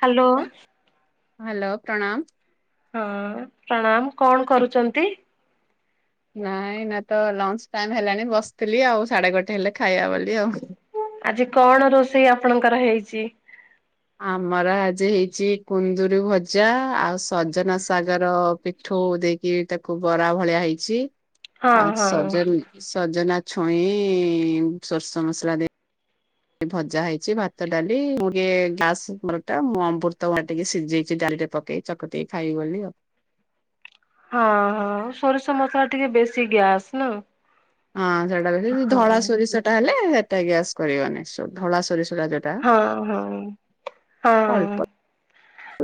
Hello କଁ hello ପ୍ରଣାମ। ହଁ ପ୍ରଣାମ କଣ କରୁଛନ୍ତି। ନାଇଁ ଏଇନା ତ ଲଞ୍ଚ ଟାଇମ ହେଲାଣି ବସିଥିଲି ଆଉ ସାଢେ ଗୋଟେ ହେଲେ ଖାଇବା ବୋଲି ଆଉ। ଆଜି କଣ ରୋଷେଇ ଆପଣଙ୍କର ହେଇଛି। ଆମର ଆଜି ହେଇଛି କୁନ୍ଦୁରି ଭଜା ଆଉ ସଜନା ସାଗର। ପିଠଉ ଦେଇକି ତାକୁ ବରା ଭଳିଆ ହେଇଛି। ହଁ ଆଉ ହଁ ସଜନି ସଜନା ଛୁଇଁ ସରିଷ ମସଲା ଦେଇ। ଭଜା ହେଇଛି ଭାତ ଡାଲି ମୁ ଟିକେ ଗ୍ୟାସ ମୋର ଟା ମୁଁ ଅମ୍ମୃତ ଭଣ୍ଡା ଟିକେ ସିଝେଇଛି ଡାଲି ରେ ପକେଇ। ଚକଟିକି ଖାଇବି ବୋଲି ଆଉ। ହଁ ହଁ ସୋରିଷ ମସଲା ଟିକେ ବେଶୀ ଗ୍ୟାସ ନୁ। ହଁ ସେଟା ବେଶୀ ଧଳା ସୋରିଷ ଟା ହେଲେ ସେଟା ଗ୍ୟାସ କରିବନି ସୋ ଧଳା ସୋରିଷ ଟା। ଯୋଉଟା ହଁ ହଁ ଅଳ୍ପ ହଁ।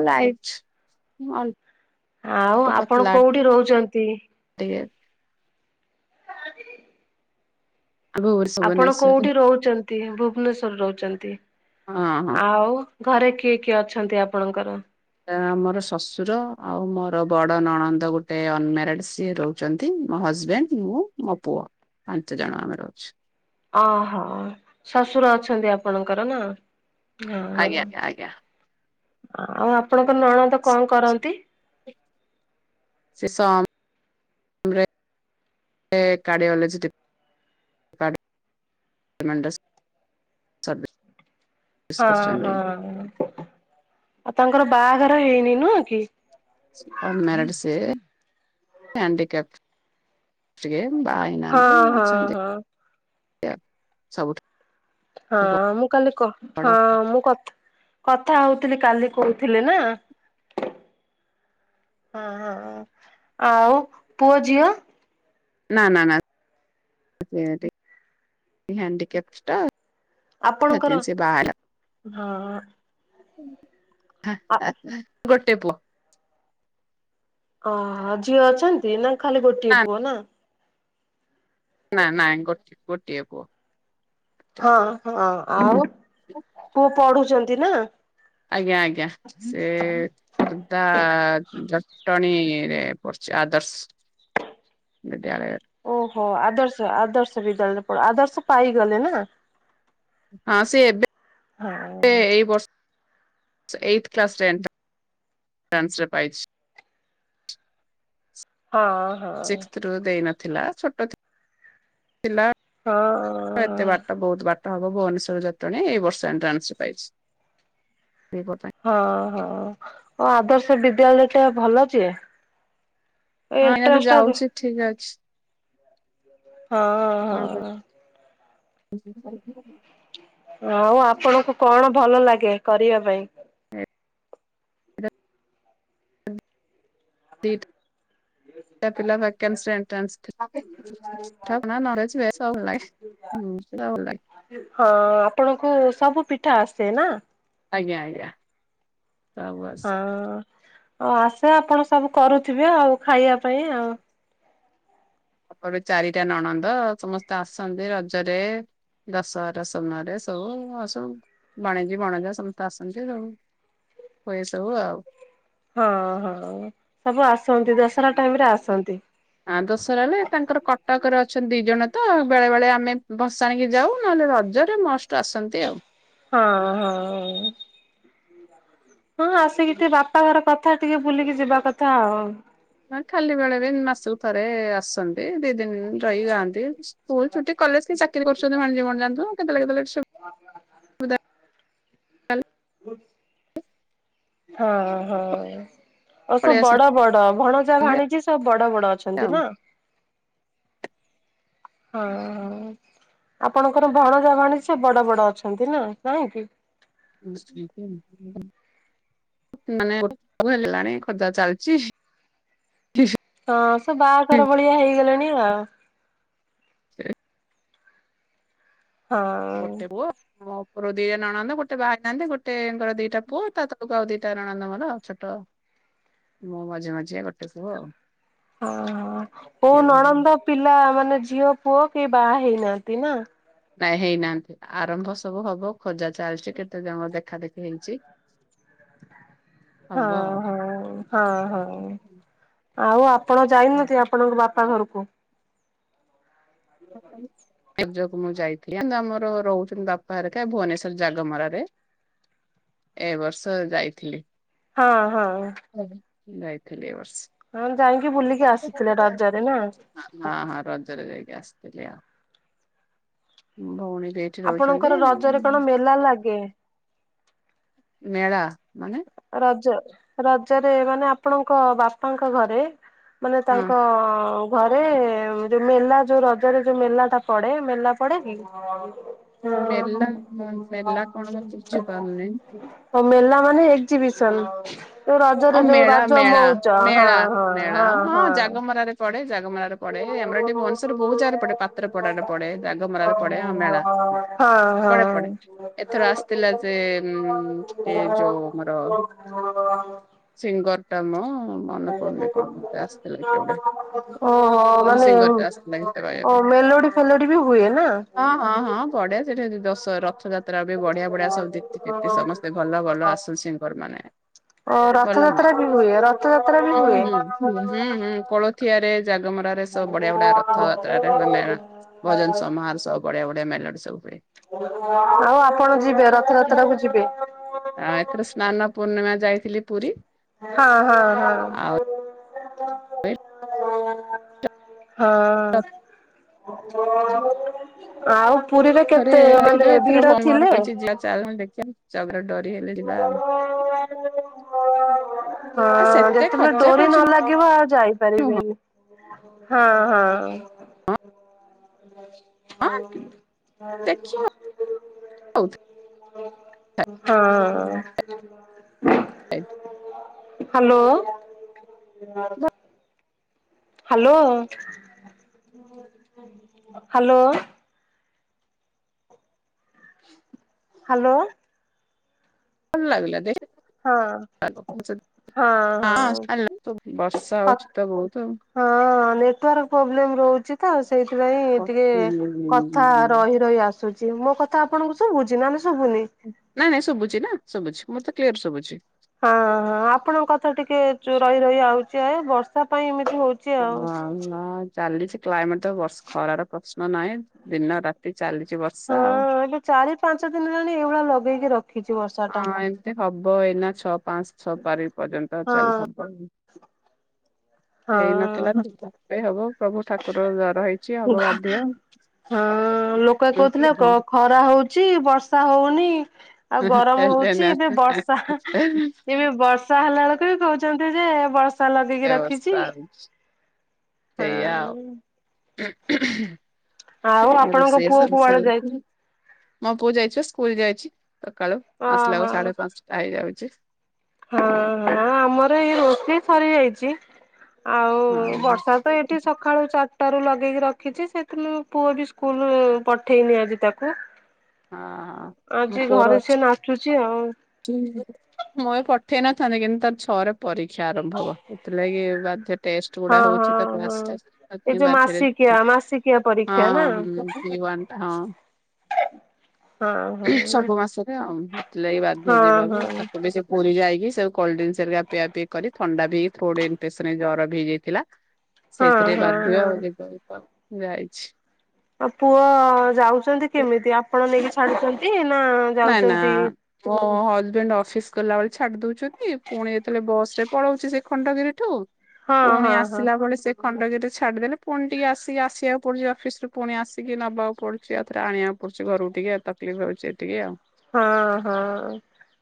ଲାଇଟ୍ ଅଳ୍ପ। ଆଉ ଆପଣ ପତଲା କୋଉଠି ରହୁଛନ୍ତି। ଟିକେ। ଆପଣ ଭୁବନେଶ୍ଵରରେ କୋଉଠି ରହୁଛନ୍ତି ଭୁବନେଶ୍ଵର ରେ ରହୁଛନ୍ତି ହଁ ହଁ। ଆଉ। ଘରେ କିଏ କିଏ ଅଛନ୍ତି ଆପଣଙ୍କର। ଏ ଆମର ଶ୍ୱଶୁର ଆଉ ମୋର ବଡ ନଣନ୍ଦ ଗୋଟେ ଅନ ମ୍ୟାରେଡ ସିଏ ରହୁ ଛନ୍ତି ମୋ ହଜବେଣ୍ଡ ମୁଁ ମୋ ପୁଅ ପାଞ୍ଚ ଜଣ ଆମେ ରଉଛୁ। ଅ ହ ଶଶୁର ଅଛନ୍ତି ଆପଣଙ୍କର ନା। ହଁ ଆଜ୍ଞା ହ ଆଜ୍ଞା। ଆଉ ଆପଣଙ୍କ ନଣ ତ କଣ କରନ୍ତି। ସେ ସମ୍ ସେ କାର୍ଡ଼ିଓଲୋଜି ଡିପ୍ କାଡି ଡିପାଟ ମେଣ୍ଟ। ହଁ କରୁଛନ୍ତି। ହଁ ଆଉ ତାଙ୍କର ବାହାଘର ହେଇନି ନୁହଁ କି। ସେ ଅନ ମ୍ୟାରେଡ୍ ସେ ହ୍ୟାଣ୍ଡିକେପ୍ଟ। ଟିକେ ବା ହେଇନାହାନ୍ତି ହଁ ହଁ ହଁ ଅଛନ୍ତି ସବୁଠୁ। ହଁ ମୁଁ କାଲି କ ବଡ ହଁ ମୁଁ କଥ୍ କଥା ହଉଥିଲି କାଲି କହୁଥିଲେ ନା। ହଁ ଆଉ ପୁଅ ଝିଅ। ନା ନା ନା ହ୍ୟାଣ୍ଡିକେପ୍ଟ ଷ୍ଟ ଆପଣଙ୍କର ହଁ ଆ ଗୋଟେ ପୁଅ। ଓ ଝିଅ ଅଛନ୍ତି ନା ଖାଲି ଗୋଟିଏ ପୁଅ ନା? ନା ନାଇଁ ଗୋ ଗୋଟିଏ ପୁଅ। ହଁ ହଁ ଆଉ ପୁଅ ପଢୁଛନ୍ତି ନା? ଆଜ୍ଞା ଆଜ୍ଞା ସେ ଖୋର୍ଦ୍ଧା ଜଟଣୀରେ ପଡିଛି ଆଦର୍ଶ ବିଦ୍ୟାଳୟରେ। ଓହୋ ଆଦର୍ଶ ଆଦର୍ଶ ବିଦ୍ୟାଳୟରେ ପଢ଼ ଆଦର୍ଶ ପାଇଗଲେ ନା? ହଁ ସେ ଏବେ ହଁ ଏଇ ବର୍ଷ। ଏଇଥ୍ କ୍ଲାସ ଏଣ୍ଟ ରାନ୍ସ ରାନ୍ସ ରେ ପାଇଛି। ହଁ ହଁ ସିକ୍ସଥ ରୁ ଦେଇନଥିଲା ଛୋଟ ଥିଲା ଥିଲା ଏତେ ହଁ। ବାଟ ବହୁତ ବାଟ ହବ ଭୁନେଶ୍ୱର ଯଟଣୀ ଏଇ ବର୍ଷ ଏଣ୍ଟ୍ରାନ୍ସ ପାଇଛି। [inaudible] ହଁ ହଁ ଓ ଆଦର୍ଶ ବିଦ୍ୟାଳୟ ଟା ଭଲ ଜେ ହଁ ଏୟିନା ତ ଯାଉଛି ଠିକ ଅଛି। ହଁ ହଁ ହଜ୍ଞ [unintelligible] ଆଉ ଆପଣଙ୍କୁ କଣ ଭଲ ଲାଗେ କରିବା ପାଇଁ? [inaudible] ଆ [inaudible] ତା ପିଲା ବେକେଂଶ ଏଣ୍ଟ୍ରାନ୍ସ [unintelligible] ସେଟା ଭଲ ଲାଗେ। ହଁ ଆପଣଙ୍କୁ ସବୁ ପିଠା ଆସେ ନା? ଆଜ୍ଞା ଆଜ୍ଞା ସବୁ ଆ ହଁ ଆଉ ଆଶା ଆପଣ ସବୁ କରୁଥିବେ ଆଉ ଖାଇବା ପାଇଁ ଆଉ। ତାପରେ ଚାରିଟା ନଣନ୍ଦ ସମସ୍ତେ ଆସନ୍ତି ରଜରେ। ଦଶହରା ସମୟରେ ସବୁ ଆଉ ସବୁ ଭାଣିଜୀ ଭଣଜ ସମସ୍ତେ ଆସନ୍ତି ଆଉ। ହୁଏ ସବୁ ଆଉ। ହଁ ହଁ ସବୁ ଆସନ୍ତି ଦଶହରା ଟାଇମ ରେ ଆସନ୍ତି। ଆ ଦଶରା ହେଲେ ତାଙ୍କର କଟକରେ ଅଛନ୍ତି ଦି ଜଣ ତ ବେଳେ ବେଳେ ଆମେ ବସି ଆଣିକି ଯାଉ ନହେଲେ ରଜରେ ମଷ୍ଟ ଆସନ୍ତି ଆଉ। ହଁ ହଁ। ହଉ। ହଁ ଆସିକି ଟିକେ ବାପା ଘର କଥା ଟିକେ ବୁଲିକି ଯିବା କଥା ଆଉ। ନ ଖାଲି ବେଳେରେ ମାସକୁ ଥରେ ଆସନ୍ତି। ଦି ଦିନିନ ରହିିାଆନ୍ତି ସ୍କୁଲ ଛୁଟି କଲେ କି ଚାକିରି କରୁଛନ୍ତି ମୀ ମଣ ଯାନ୍ତୁ କେତେବେଳେ କେତେବେଳେ ଛ ହ। ହ୍ୟାଲୋ ହଁ ହଁ ଆଉ ପଳେଇ ସବୁ ଆସନ୍ତି ବଡ ବଡ ଭଣଜା ଭାଣିଛି ସବୁ ବଡ ବଡ ଅଛ ଅଛନ୍ତି ଆଉ। ନା? ହଁ ହ ଆପଣଙ୍କର ଭଣଜା ଭାଣୀଜି ସେ ବଡ ବଡ ଅଛନ୍ତି ନା ନାହିଁକି। [unintelligible] ମାନେ [unintelligible] ହେଲାଣି ଖୋଜା ଚାଲିଛି ହଁ ସେ ବାହାଘର ଭଳିଆ ହେଇଗଲେଣି ଆଉ। [inaudible] ହଁ ଗୋଟେ ପୁଅ ମ ମୋର ଦିଟା ନଣଦ ଗୋଟେ ବାହା ହେଇ ନାହାନ୍ତି ଗୋଟେଙ୍କର ଦିଟା ପୁଅ ତା ତଳକୁ ଆଉ ଦିଟା ନଣନ୍ଦ। ମୋର ଛୋଟ [inaudible] ମୋ ମଝେ ମଝିଆ ଗୋଟେ ପୁଅ ଆଉ ଓ କୋଉ ନଣନ୍ଦ ପିଲା ମାନେ ଝିଅ, ପୁଅ କେହି ବାହା ହେଇନାହାନ୍ତି ନା? ନାଇଁ ହେଇନାହାନ୍ତି। ଆରମ୍ଭ ସବୁ ହବ ଖୋଜା ଚାଲିଛି, କେତେ ଜଣଙ୍କର ଦେଖା ଦେଖି ହେଇଛି। ହଁ ହବ ଆଉ। ହଁ ହଁ ହଁ। ଆଉ ଆପଣ ଯାଇନାହାନ୍ତି ଆପଣଙ୍କ ବାପା ଘରକୁ? [unintelligible] ମୁଁ ଯାଇଥିଲି। କିନ୍ତୁ ଆମର ରହୁଛନ୍ତି ବାପା ହେରିକା ଭୁବନେଶ୍ଵର ଜାଗମରାରେ ଏ ବର୍ଷ ଯାଇଥିଲି। ହଁ ହଁ। [unintelligible] ଯାଇଥିଲି ଏ ବର୍ଷ। ହଁ ଯାଇକି ବୁଲିକି ଆସିଥିଲେ ରଜରେ ନା? ହଁ ହଁ ରଜରେ ଯାଇକି ଆସିଥିଲି ଆଉ। ଭଉଣୀ [unintelligible] ଆପଣଙ୍କର ରଜରେ କଣ ମେଲା ଲାଗେ? ମେଳା ମାନେ? ରଜ ରଜରେ ମାନେ ଆପଣଙ୍କ ବାପାଙ୍କ ଘରେ ମାନେ ହଁ ତାଙ୍କ ଘରେ ଯୋଉ ମେଲା ଯୋଉ ରଜରେ ଯୋଉ ମେଲା ଟା ପଡ଼େ ମେଲା ପଡ଼େ କି? ମେଲା [unintelligible] ମେଲା କଣ ମୁଁ ବୁଝିପାରୁନି? ହଉ ମେଲା ମାନେ ଏକ୍ଜିିବିସନ। ଯୋଉ ଓ ରଜରେ ଯୋଉ ମେଳା ରଜ ମେଳା ମଉଜ ହଁ ହଁ ହଁ ହଁ। ପଡ଼େ ଜାଗମରା ରେ ପଡ଼େ। ଆମର ଏଠି ଭୁବନେଶ୍ୱର ର ବହୁତ ଜାଗାରେ ପଡ଼େ ପାତ୍ର ପଡ଼ାରେ ପଡ଼େ, ଜାଗମରା ରେ ପଡ଼େ ହଁ ମେଳା ପଡ଼େ ପଡ଼େ। ଏଥର ଆସିଥିଲା ଯେ ଉଁ ସେ ଯୋଉ ଆମର ହଁ ସିଙ୍ଗରଟା ମ ମନେ ପଡୁନି କଣ ଗୋଟେ ଆସିଥିଲା କିଏ ଗୋଟେ ଓହୋଃ ଭଲ ମାନେ ସିଙ୍ଗର ଟା ଆସିଥିଲା ଗୀତ ଗାଇବା ପାଇଁ। ଓ ମେଲୋଡ଼ି ଫେଲୋଡି଼ ବି ହୁଏ ନା? ହଁ ହଁ ହଁ ପଡ଼େ। ସେଠି [unintelligible] ରଥଯାତ୍ରା ବି ବଢ଼ିଆ ବଢ଼ିଆ ସବୁ୍ [unintelligible] ସମସ୍ତେ ଭଲ ଭଲ ଆସୁ ସିଙ୍ଗର ମାନେ। ଓଃ ରଥଯାତ୍ରା ବି ହୁଏ? ରଥଯାତ୍ରା ବି ହୁଁ ହୁଏ? ହୁଁ ହୁଁ ହଁ କୋଳଥିଆରେ ଜାଗମରାରେ ସବୁ ବଢ଼ିଆ ବଢ଼ିଆ ରଥଯାତ୍ରାରେ ହୁଏ ମେଳା, ଭଜନ ସମହାର ସବୁ ବଢ଼ିଆ ବଢ଼ିଆ ମେଲୋଡ଼ି ସବୁ ହୁଏ। ଆଉ ଆପଣ ଯିବେ ରଥଯାତ୍ରା କୁ ଯିବେ? ଆ ଏଥର ସ୍ନାନ ପୂର୍ଣ୍ଣିମା ଯାଇଥିଲି ପୁରୀ ହଁ ଆଉ ହଁ ହଁ। ଏ ହଁ। ଆଉ ପୁରୀରେ କେତେ, ମାନେ ଭିଡ଼ ଥିଲେ? [unintelligible] ଦେଖିବାଊ ଜଗା ର ଡୋରି ହେଲେ ଯିବା ଆଉ। ହଁ ଆ ସେତେ ଯେତେବେଳେ ଖର୍ଚ୍ଚା ଡୋରି ଖର୍ଚ୍ଚ ନ ଲା ଲାଗିବ ଆଉ ଯାଇପାରିବେ ନୁହଁ ନି ହଁ ହଁ। ଦେଖି [unintelligible] ହଉଥିଲା ହଁ। [unintelligible] ହ୍ୟାଲୋ? Hello hello? ହ୍ୟାଲୋ? ଭଲ ଲାଗିଲା ଦେ ହଁ। ହଁ ହ ହଁ [unintelligible] ବର୍ଷା କ ହଉଛି ତ ବହୁତ। ହଁ ନେଟୱାର୍କ ପ୍ରୋବ୍ଲେମ୍ ରହୁଛି ତ ସେଇଥିପାଇଁ ଆଉ। ଟିକେ ହୁଁ ହୁଁ କଥା ରହି ରହି ଆସ ଆସୁଛି। ମୋ କଥା ଆପଣଙ୍କୁ ଶୁଭୁଛିି ନା ନାହିଁ ଶୁଭୁନି? ନାଇଁ ନାଇଁ ଶୁଭୁଛି ନା ଶୁଭୁଛି ମତେ କ୍ଲିୟର ଶୁଭୁଛି। ହଁ ହଁ ଆପଣଙ୍କ କଥା ଟିକେ ଚୁ ରହି ରହି ଆଉଚି ଆ ଏ ବର୍ଷା ପାଇଁ ଏମିତି ହୋଉ ଅ ହଁ ନା ଚାଲିଛି କ୍ଲାଇମେଟ ତ ବର୍ଷ୍ ଖରାର ପ୍ରଶ୍ନ ନାହିଁ। ଦିନ ରାତି ଚାଲିଚି ହଁ ବର୍ଷା ଆଉ। ଏବେ ଚାରି ପାଞ୍ଚ ଦିନ ହେଲାଣି ଏଇଭଳିଆ ଲୋଭେଇକି ରଖ୍ ହଁ ଏତେ ହବ ଏଇନା ଛଅ ପାଞ୍ଚ ସ ପାରି ପର୍ଯ୍ୟନ୍ତ ହଁ ଚାଲିହବନି ହେଇନଥିଲା [unintelligible] ଏଇ ହବ ପ୍ରଭୁ ଷ୍ଠା କୁକୁର ଜର ହେଇଚି ହବ ହଁ ବାଧ୍ୟ। ହଁ ଲୋକ କହୁଥିଲେ [unintelligible] ଖରା ହୋଉଚି ବର୍ଷା ହୋଉନି। ଆଉ ଗରମ ହେଲେ ହୋଉଚି ଏବେ ବର୍ଷା ଏବେ ବର୍ଷ୍ ର୍ଷା ହେଲା ବେଳକୁ ବି କୋହୁଛନ୍ତି ଯେ ବର୍ଷା ଲଗେଇକି ରଖିଚି। ବର୍ଷା ସେଇଆ ଆଉ। ଆଉ ଆପଣଙ୍କ ରୋଷେଇ ପୁଅ ସବୁ କୁଆଡେ ଯାଇଛି। ଚାଲିଛି ମୋ ପୁଅ ଯାଇଚି ପା ସ୍କୁଲ ଯାଇଚି ସକାଳୁ ଓହୋ ଆସିଲାକୁ ସାଢେ ପାଞ୍ଚଟା ହେଇଯାଉଚି। ହଁ ହଁ ଆମର ଏଇ ରୋଷେଇ ସରିଯାଇଚି। ଆଉ ହଁ। ବର୍ଷା ତ ଏଠି ସ ସକାଳୁ ଚାରିଟାରୁ ଲଗେଇକି ରଖିଚି ସେଥିନୁ ପୁଅ ବି ସ୍କୁଲ ପଠେଇନି ଆଜି ତାକୁ। ହଁ ଆଜି ଘରେ ସିଏ ନାଚୁଚି ଆଉ। ଚୁଁ [unintelligible] ମୁଁ ଏ ପଠେଇ ନଥାନ୍ତି କିନ୍ତୁ ତାର ଛଅରେ ପରୀକ୍ଷା ଆରମ୍ଭ ହବ ଏଥିଲାଗି ବାଧ୍ୟ ଟେଷ୍ଟ ଗୁଡା ହଁ ହୋଉଛି ତା ହଁ କ୍ଲାସ୍ ହଁ ଟେଷ୍ଟ୍ ଏଇ [unintelligible] ଯୋଉ ବାଧ୍ୟରେ ମାସିକିଆ ହଁ ମାସିକିଆ ପରୀକ୍ଷା ନା ହଁ ଯିବନ୍ ତ ହଁ। ହଁ ହଁ ହଁ ସବୁ ମାସରେ ଆଉ ହେଥିଲାଗି ବାଧ୍ୟ ହଁ ଯିବାକୁ ଆଉ ହଁ ତାକୁ ସେ ପୁରୀ ଯାଇକି ସେ କୋଲଡରିଙ୍କସ୍ ହେରିକା ପିଆପିଇ କରି ଥଣ୍ଡା ପିଇକି ଥ୍ରୋଡ ଇନଫେକ୍ସନ ଏଇ ଜର ବି ହେଇଯାଇଥିଲା। ସେଇଥିରେ ହଁ ବାଧ୍ୟ ଆଉ ହଁ। [unintelligible] ଯାଇଛି। ଆଉ ପୁଅ ଯାଉଚନ୍ତି କେମିତି ଆପଣ ନେଇକି ଛାଡୁଚନ୍ତି ନା ନାଇଁ ନା ଯାଉଛନ୍ତି? ମୋ ହଜବେଣ୍ଡ ଅଫିସ ଗଲାବେଳେ ଛାଡି ଦୋଉଚନ୍ତି ପୁଣି ଯେତେବେଳେ ବସରେ ପଳୋଉଚି ସେ ଖଣ୍ଡଗିରିଠୁ ହଁ ପୁଣି ହଁ ହଁ ଆସିଲାବେଳେ ସେ ଖଣ୍ଡଗିରିରେ ଛାଡିଦେନେ ପୁଣି ଟିକେ ଆସିକି ଆସିବାକୁ ପଡୁଚି ଅଫିସରୁ ପୁଣି ଆସିକି ନବାକୁ ପଡୁ ଚି ଆଉଥରେ ଆଣିବାକୁ ପଡୁଚି ଘରକୁ ଟିକେ ଆଉ ତକଲିଫ ହୋଉଚି ଏତିିକି ଆଉ। ହଁ ହଁ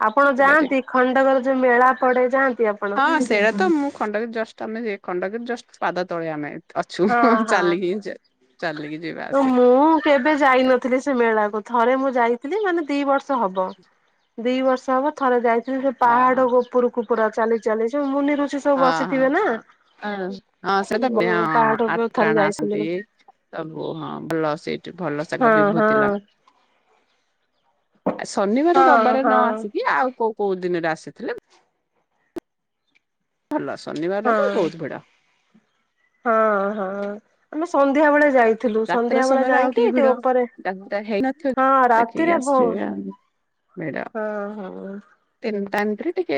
ଆପଣ ସୁବିଧା ଟିକେ ଯାଆନ୍ତି ଖଣ୍ଡଘର ଯୋଉ ମେଳା ପଡେ ଯାଆନ୍ତି ଆପଣ? ହଁ ସେଡା ତ ମୁଁ ଖଣ୍ଡଗିରି ଜଷ୍ଟ ଆମେ ହେ ଖଣ୍ଡଗିରି ଜଷ୍ଟ ପାଦ ତଳେ ଆମେ। ଅଛୁ ହଁ ଚାଲିକି ଯା ଚାଲିକି ଯିବା ଆସିବା ମୁଁ କେବେ ଯାଇନଥିଲି ସେ ମେଳାକୁ ଥରେ ମୁଁ ଯାଇଥିଲି ମାନେ ଦି ବର୍ଷ ଷ ହବ ଦି ବର୍ଷ ହବ ଥରେ ଯାଇଥିଲି ସେ ଆ ପାହାଡ ଗୋ ଉପରକୁ ପୁରା ଚାଲି ଚାଲି ଯୋଉ ମୁନିଋଷି ଅଁ ହଁ ହଁ ଏଁ ହଁ ସେତ ବି ହଁ ଉଁ ହଁ ପାହାଡ ଆ ଉପରକୁ ଥରେ ତ୍ରାଣ ଯାଇଥିଲି ଆସନ୍ତି। ସବୁ ହଁ ଭଲ ସେଇଠି ଭଲ ହଁ ସାଙ୍ଗ ହଁ। ବିଭୁତି ଲଗୋଉ ଆ ଶନିବାର ହଁ ରବିବାରେ ହଁ ନ ଆସିକି ଆଉ କୋଉ କୋଉ ଦିନରେ ଆସିଥିଲେ ଭଲ ଶନିବାର ରବିବାର ହଁ ବୋହୁତ ଭିଡ। ହଁ ହଁ ଆମେ ସନ୍ଧ୍ୟା ବେଳେ ଯାଇଥିଲୁ ସନ୍ଧ୍ୟା ବେଳେ ଯାଇଁକି ଟିକେ ଓପରେ। ଡାଲିଟା ହେଇନଥିବ ଦେଖିକି ଆସିଯିବେ ଆଉ। ହଁ ହଁ। ତିନିଟା ଏମତିରେ ଟିକେ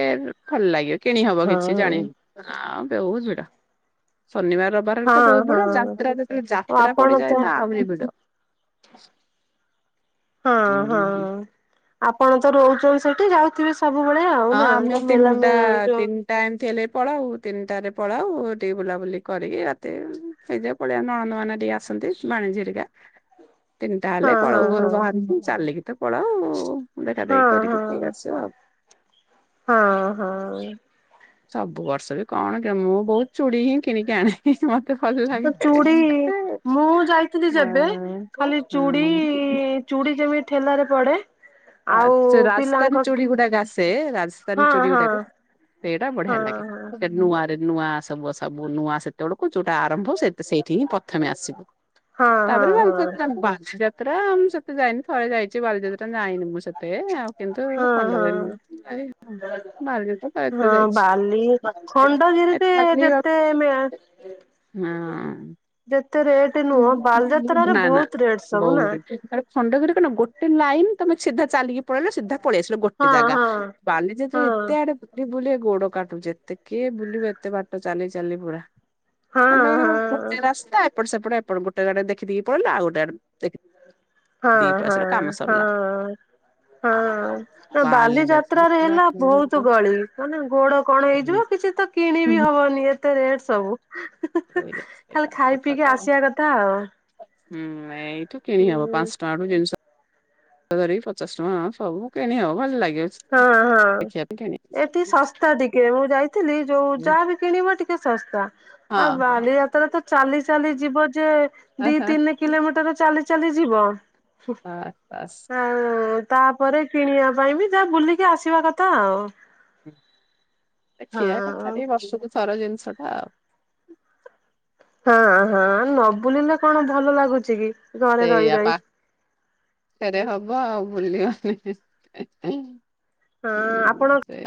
ଭଲ ଲାଗିବ କିଣିହବ ହଁ କିଛି ଜାଣି। ଆଉ ବୋହୁତ ଭିଡ ଶନିବାର ରବିବାର ହେଲେ ତ ହଁ ବୋହୁତ ଭିଡ ଆଉ ହଁ। ଯାତ୍ର ଯେତେଳେ ଯା ଓ ଆପଣ ତ ଆଉ ବୁଲିବୁ ତୋର ହଁ ହଁ। ଉଁହୁଁହୁଁ। ଆପଣ ତ ରହୁଚନ୍ତି ସେଠି ଯାଉଥିବେ ସବୁବେଳେ ଆଉ ନା ଯୋଉ ମେଲା ମେଲଣ ଯୋଉ। ଟାଇମ ଥିଲେ ପଳାଉ ତିନିଟାରେ ପଳାଉ ଟିକେ ବୁଲାବୁଲି କରିକି ରାତି ସେଇଯୋଗୁ ପଳିଆ ନଣନ୍ଦ ମାନେ ଟିକେ ଆସନ୍ତି ଭାଣିଜୀ ହେରିକା। ହଁ ତିନିଟା ହେଲେ ହଁ ପଳଉ ଘରୁ ହଁ ବାହାରିକି ଚାଲିକି ତ ପଳାଉ। ଦେଖାଦେଖି ହଁ କରିକି ପଲେଇ ହଁ। ଆସିବା ଆଉ। ହଁ ହଁ। ସବୁ ବର୍ଷ ବି କଣ ମୁଁ ବହୁତ ଚୁଡ଼ି ହିଁ କିଣିକି ଆଣେ। ମତେ ଭଲ ଲାଗେ ଚୁଡ଼ି ମୁଁ ଯାଇଥିଲି ଯେବେ ହଁ ଖାଲି ଚୁଡ଼ି ହଁ। ଚୁଡ଼ି ଯେମିତି ଠେଲାରେ ପଡେ ଆ ଆଉ ସେ ରାଜସ୍ଥାନୀ ପିଲାଙ୍କ ଚୁଡୀ ଗୁଡାକ ଆସେ ରାଜସ୍ଥାନୀ ହଁ ଚୁଡୀ ହଁ ଗୁଡାକ ସେଇଟା ହଁ ବଢିଆ ଲାଗେ ସେ ନୂଆ ରେ ନୂଆ ସବୁ ସବୁ ନୂଆ ସେତେବେଳକୁ ଯୋଉଟା ଆରମ୍ଭ ସେ ସେଇଠି ହିଁ ପ୍ରଥମେ ଆସିବୁ ହଁ ହଁ ହଁ ତାପରେ ହଁ ମୁଁ ସେତେ ଯାଇନି ଥରେ ଯାଇଛି ବାଲିଯାତ୍ରା ଯାଇନି ମୁଁ। ସେତେ ଆଉ କିନ୍ତୁ ହଁ ହଁ ପଣ୍ଡାରେ ବାଲିଯାତ୍ରା ଥରେ ଦିଥର ହଁ ଯାଇଛି। ବାଲି ଏ ଖଣ୍ଡଗିରିରେ ଚାଲିବାକୁ ଯେତେ ମେଳା ହଁ ନୁହଁ ବାଲିଯାତ୍ରାରେ ନା ନା ବହୁତ ରେଟ ସବୁ ନା ବହୁ ଖଣ୍ଡଗିରି କଣ ଗୋଟେ ଲାଇନ ତମେ ସିଧା ଚାଲିକି ପଳେଇଲ ସିଧା ପଳେଇ ଆସିଲ ଗୋଟେ ହଁ ଜାଗା। ହଁ। ହଁ ବାଲିଯାତ୍ରରେ ଏତେ ଆଡେ ବୁଲି ବୁଲେ ଗୋଡ କାଟୁଛି ଏତେ କିଏ ବୁଲିବ ଏତେ ବାଟ ଚାଲି ଚାଲି ପୁରା। ହଁ ଖଣ୍ଡଗିରି ହଁ ଗୋଟେ ରାସ୍ତା ଏପଟ ସେପଟେ ଏପଟ ଗୋଟେ [unintelligible] ପଳିଇଲ ଆଉ ଗୋଟେ ଆଡେ ଦି ହଁ ହଁ ପଇସା ର କାମ ସରିଲା। ନା ବାହାରିଲି ବାଲିଯାତ୍ରାରେ ହେଲା ବହୁତ ଗଳି ମାନେ ଗୋଡ କଣ ହେଇଯିବ କିଛି ତ କିଣି ବି ହବନି ଏତେ ରେଟ ସବୁ ଖାଲି ଖାଇ ପିଇକି ଆସିବା କଥା ଆଉ। ହୁଁ ଏଇଠୁ କିଣି ହବ ହୁଁ ପାଞ୍ଚ ଟଙ୍କା ରୁ ଜିନିଷ ଧର ପଚାଶ ଟଙ୍କା ସବୁ କିଣି ହବ ଭଲ ଲାଗିବ। ହଁ ହଁ ଦେଖିବା ପାଇଁ କିଣି ଏଠି ଶସ୍ତା ଟିକେ ମୁଁ ଯାଇଥିଲି ଯୋଉ ଯାହାବି କିଣିବ ଟିକେ ଶସ୍ତା ହଁ ଆଉ ବାଲିଯାତ୍ରା ତ ଚାଲି ଚାଲି ଯିବ ଯେ ଦି ତିନି କିଲୋମିଟର ଚାଲି ଚାଲି ଯିବ [unintelligible] ଆଉ ତାପରେ କିଣିବା ପାଇଁ ବି ଯାହା ବୁଲିକି ଆସିବା କଥା ଆଉ। ଦେଖିଆ ହଁ କଥାରେ ବର୍ଷକୁଥର ଜିନିଷ ଟା ଆଉ। ହଁ ହଁ ନ ବୁଲିଲେ କଣ ଭଲ ଲାଗୁଛି କି? ଘରେ ରହି ସେଇଆ ପା ରହି ସେରେ ହବ ଆଉ ବୁଲି [unintelligible] ହଁ ହୁଁ ଆପଣ ସେଇଆ।